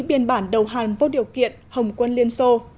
biên bản đầu hàn vô điều kiện hồng quân liên xô